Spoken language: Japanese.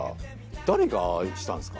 誰がああしたんですか？